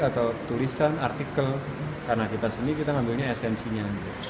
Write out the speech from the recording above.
atau tulisan artikel karena kita seni kita mengambilnya esensinya